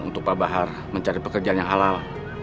untuk pak bahar mencari pekerjaan yang halal